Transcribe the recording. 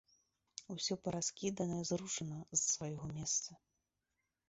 Усё параскідана і зрушана з свайго месца.